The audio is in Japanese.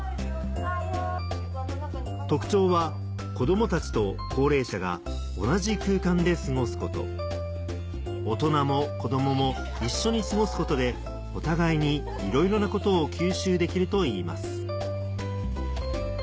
特徴は子供たちと高齢者が同じ空間で過ごすこと大人も子供も一緒に過ごすことでお互いにいろいろなことを吸収できるといいます